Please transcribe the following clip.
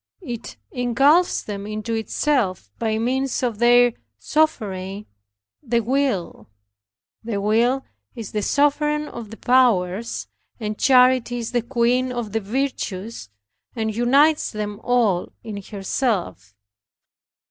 It engulfs them into itself by means of their sovereign, the WILL. The will is the sovereign of the powers and charity is the queen of the virtues, and unites them all in herself.